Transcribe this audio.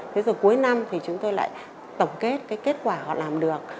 thế rồi cuối năm thì chúng tôi lại tổng kết cái kết quả họ làm được